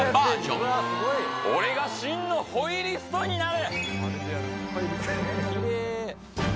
俺が真のホイリストになる！